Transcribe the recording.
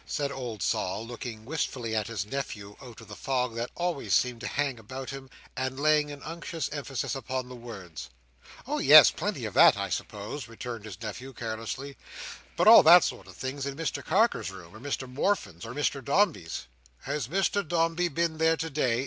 said old Sol, looking wistfully at his nephew out of the fog that always seemed to hang about him, and laying an unctuous emphasis upon the words. "Oh yes, plenty of that I suppose," returned his nephew carelessly; "but all that sort of thing's in Mr Carker's room, or Mr Morfin's, or Mr Dombey's." "Has Mr Dombey been there today?"